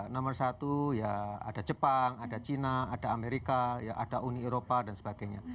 nomor satu ya ada jepang ada cina ada amerika ada uni eropa dan sebagainya